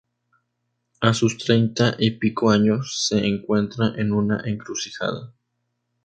A sus treinta y pico años se encuentra en una encrucijada.